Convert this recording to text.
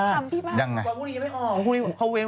วันเศรษฐกิจแห่งชาติน้องชอบคำพี่มาก